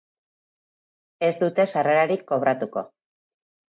Ez dute sarrerarik kobratuko.